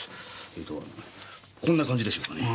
えーとこんな感じでしょうかね。